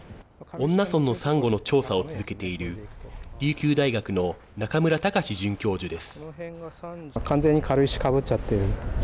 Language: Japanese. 恩納村のサンゴの調査を続けている、琉球大学の中村崇准教授です。